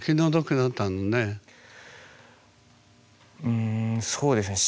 うんそうですね。